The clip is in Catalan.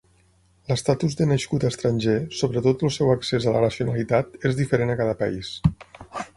L'estatus de nascut estranger, sobretot el seu accés a la nacionalitat, és diferent a cada país.